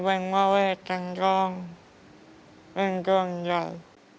แก้วังว่าเวทย์สันดองเป็นตัวใหญ่